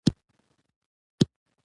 هېواد ته وفادار پاتې شئ.